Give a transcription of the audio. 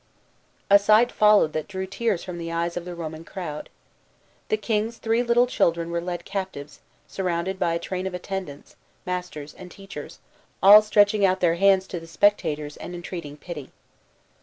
A sight followed that drew tears from the eyes of the Roman crowd. The kings three little children were led captives, surrounded by a train of attendants, masters, and teachers, all stretch ing out their hands to the spectators and entreat ing pity.